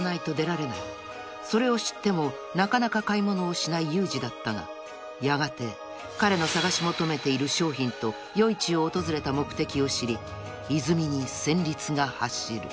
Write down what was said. ［それを知ってもなかなか買い物をしない裕司だったがやがて彼の探し求めている商品と夜市を訪れた目的を知りいずみに戦慄が走る］